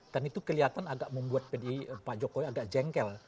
dan itu kelihatan agak membuat pak jokowi agak jengkel